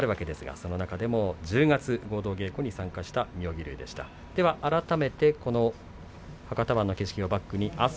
その中で、１０月合同稽古に参加した妙義龍です。